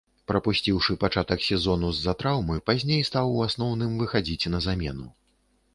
Прапусціўшы пачатак сезону з-за траўмы, пазней стаў у асноўным выхадзіць на замену.